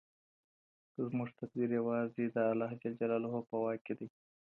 زموږ تقدیر یوازې د الله په واک کې دی.